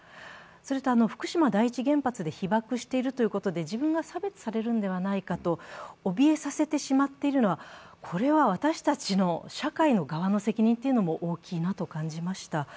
それと福島第一原発で被ばくしているということで、自分が差別されるのではないかとおびえさせてしまっているのは私たちの社会の側の責任というのも大きいなと感じました。